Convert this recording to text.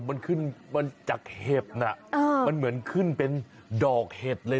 มันขึ้นมาจากเห็บน่ะมันเหมือนขึ้นเป็นดอกเห็ดเลย